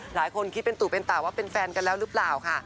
หลายคนคิดเป็นตู่เป็นตาว่าเป็นแฟนกันแล้วหรือเปล่าค่ะ